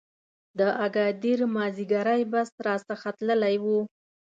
د اګادیر مازیګری بس را څخه تللی و.